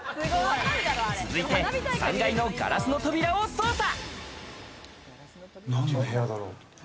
続いて３階のガラスの扉を捜査。